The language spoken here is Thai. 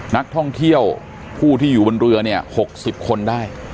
นักท่องเที่ยวผู้ที่อยู่บนเรือเนี่ย๖๐คนได้